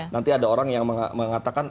nanti ada orang yang mengatakan